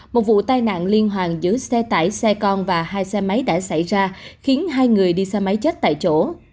một vụ tai nạn liên hoàn giữa xe tải xe con và hai xe máy đã xảy ra khiến hai người đi xe máy chết tại chỗ